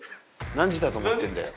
何時だと思ってるんだよ。